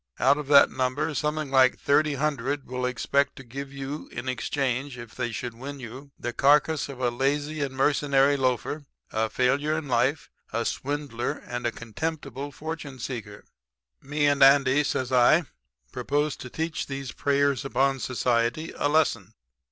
Out of that number something like thirty hundred will expect to give you in exchange, if they should win you, the carcass of a lazy and mercenary loafer, a failure in life, a swindler and contemptible fortune seeker. "'Me and Andy,' says I, 'propose to teach these preyers upon society a lesson.